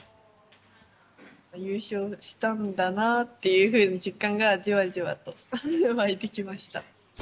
優勝したんだなっていうふうに実感がじわじわと湧いてきました。